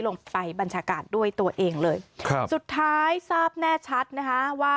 บรรยากาศด้วยตัวเองเลยครับสุดท้ายทราบแน่ชัดนะคะว่า